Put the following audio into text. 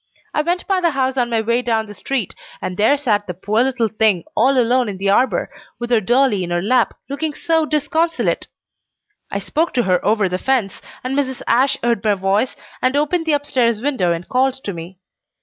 I went by the house on my way down street, and there sat the poor little thing all alone in the arbor, with her dolly in her lap, looking so disconsolate. I spoke to her over the fence, and Mrs. Ashe heard my voice, and opened the upstairs window and called to me.